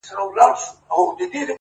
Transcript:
• په خيال كي ستا سره ياري كومه،